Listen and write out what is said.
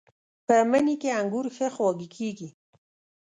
په مني کې انګور ښه خواږه کېږي.